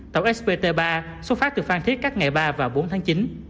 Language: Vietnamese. tàu spt ba xuất phát từ phan thiết các ngày ba và bốn tháng chín